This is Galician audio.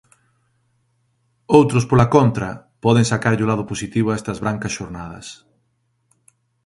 Outros, pola contra, poden sacarlle o lado positivo a estas brancas xornadas.